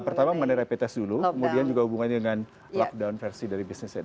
pertama mengenai rapid test dulu kemudian juga hubungannya dengan lockdown versi dari bisnisnya